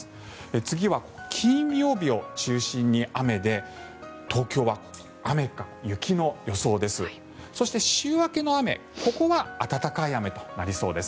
次は金曜日を中心に雨で東京は雨か雪の予想です。